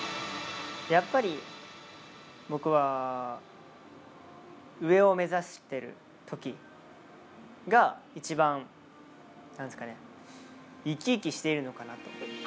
やっぱり、僕は上を目指しているときが、一番、なんというんですかね、生き生きしているのかなと。